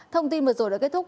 thông tin vừa rồi đã kết thúc